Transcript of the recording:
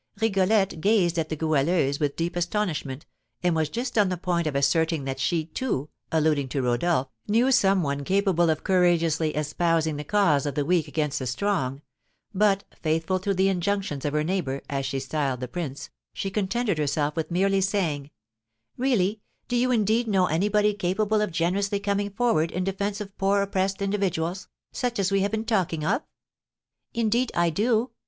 Rigolette gazed on the Goualeuse with deep astonishment, and was just on the point of asserting that she, too (alluding to Rodolph), knew some one capable of courageously espousing the cause of the weak against the strong; but, faithful to the injunctions of her neighbour (as she styled the prince), she contented herself with merely saying, "Really, do you indeed know anybody capable of generously coming forward in defence of poor oppressed individuals, such as we have been talking of?" "Indeed, I do.